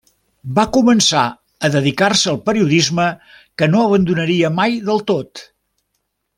Va començar a dedicar-se al periodisme, que no abandonaria mai del tot.